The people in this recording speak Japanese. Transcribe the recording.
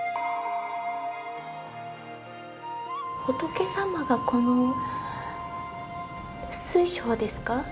仏様がこの水晶ですか？